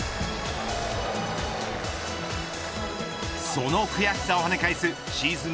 その悔しさをはね返すシーズン